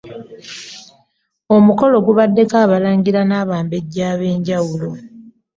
Omukolo gubaddeko abalangira n'abambejja ab'enjawulo